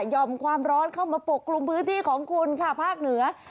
ยอมความร้อนเข้ามาปกกลุ่มพื้นที่ของคุณค่ะภาคเหนือ